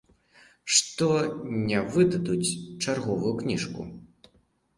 Што не выдадуць чарговую кніжку.